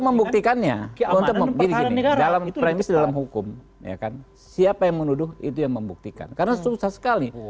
membuktikannya dalam hukum siapa yang menuduh itu yang membuktikan karena susah sekali